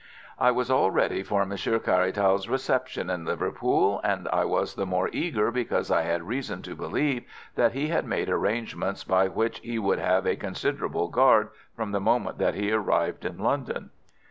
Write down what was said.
"I was all ready for Monsieur Caratal's reception in Liverpool, and I was the more eager because I had reason to believe that he had made arrangements by which he would have a considerable guard from the moment that he arrived in London.